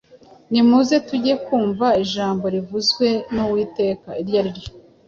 Nimuze tujye kumva ijambo rivuzwe n’Uwiteka iryo ari ryo.